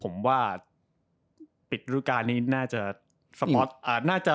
ผมว่าปิดรูปการณ์นี้น่าจะ